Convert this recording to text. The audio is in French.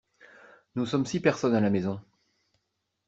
Nous sommes six personnes à la maison.